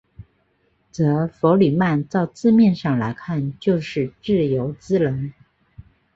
则弗里曼照字面上来看就是自由之人。